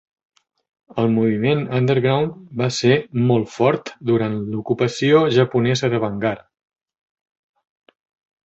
El moviment Underground va ser molt fort durant l'ocupació japonesa de Bangar.